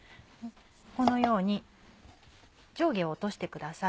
このように上下を落としてください。